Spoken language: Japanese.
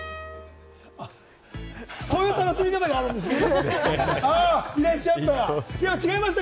そういう楽しみ方があるんですね。